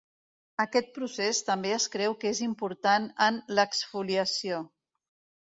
Aquest procés també es creu que és important en l'exfoliació.